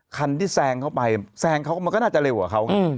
คันที่แซงเข้าไปแซงเขาก็มันก็น่าจะเร็วกว่าเขา